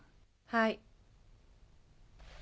はい。